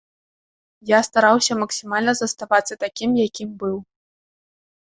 Я стараўся максімальна заставацца такім, якім быў.